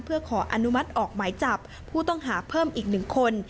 เพื่อขออนุมัติออกหมายจับผู้ต้องหาเพิ่มอีก๑คน